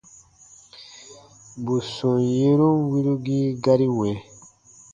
Bù sɔm yerun wirugii gari wɛ̃.